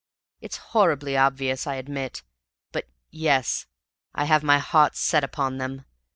"It is horribly obvious, I admit. But yes, I have set my heart upon them!